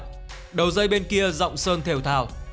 trưa đào đầu dây bên kia rộng sơn thều thào